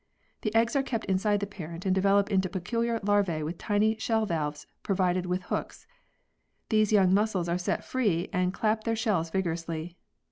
The eggs are kept inside the parent and develop into peculiar larvae with tiny shell valves provided with hooks. These young mussels are set free and clap their shells vigorously.